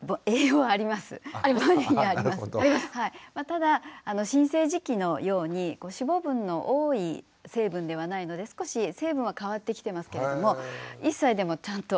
ただ新生児期のように脂肪分の多い成分ではないので少し成分は変わってきてますけれども１歳でもちゃんと。